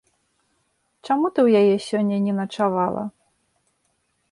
Чаму ты ў яе сёння не начавала?